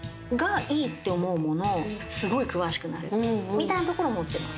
みたいなところ持ってます。